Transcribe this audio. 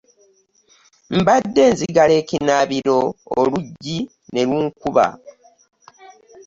Mbadde nzigala ekinaabiro oluggi ne lunkuba.